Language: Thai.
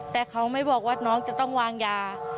แต่เขาไม่บอกว่าน้องจะต้องวางยา